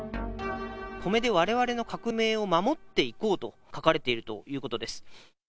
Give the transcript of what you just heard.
コメでわれわれの革命を守っていこうと書かれているということです。